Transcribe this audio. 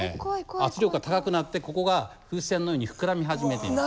圧力が高くなってここが風船のように膨らみ始めています。